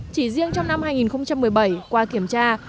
chỉ riêng trong năm hai nghìn một mươi bảy qua kiểm tra